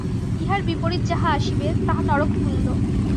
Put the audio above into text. ইহার বিপরীত যাহা আসিবে, তাহা নরকতুল্য।